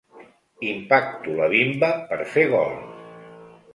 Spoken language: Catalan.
Impacto la bimba per fer gol.